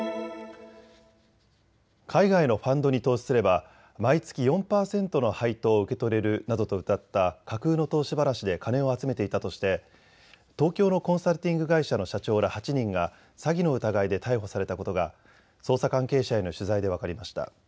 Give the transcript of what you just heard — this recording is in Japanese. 海外のファンドに投資すれば毎月４％の配当を受け取れるなどとうたった架空の投資話で金を集めていたとして東京のコンサルティング会社の社長ら８人が詐欺の疑いで逮捕されたことが捜査関係者への取材で分かりました。